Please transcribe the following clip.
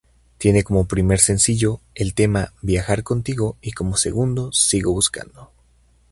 Tiene como primer sencillo el tema "Viajar contigo" y como segundo "Sigo buscando".